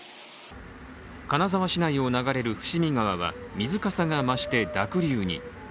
金沢市内を流れる伏見川は水かさが増して濁流に。